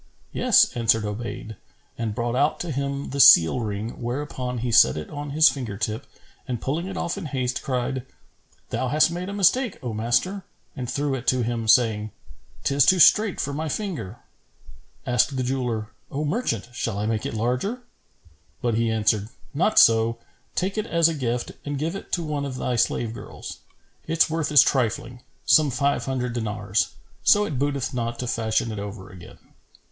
"Yes," answered Obayd and brought out to him the seal ring; whereupon he set it on his finger tip and pulling it off in haste, cried, "Thou hast made a mistake, O master;" and threw it to him, saying, "'Tis too strait for my finger." Asked the jeweller, "O merchant, shall I make it larger?" But he answered, "Not so; take it as a gift and give it to one of thy slave girls. Its worth is trifling, some five hundred dinars; so it booteth not to fashion it over again."